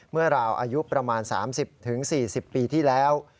ราวอายุประมาณ๓๐๔๐ปีที่แล้ว